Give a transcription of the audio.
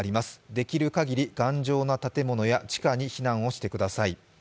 できるかぎり頑丈な建物や地下に避難をしてください。